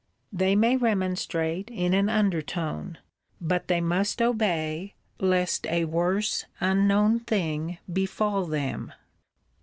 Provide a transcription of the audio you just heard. They may remonstrate, in an under tone; but they must obey, lest a worse unknown thing befall them.